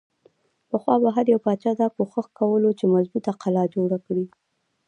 پخوا به هر يو باچا دا کوښښ کولو چې مضبوطه قلا جوړه کړي۔